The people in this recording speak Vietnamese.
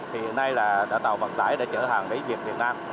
hiện nay là tàu vận tải đã chở hàng đến việt nam